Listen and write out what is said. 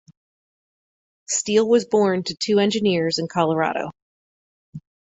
Steele was born to two engineers in Colorado.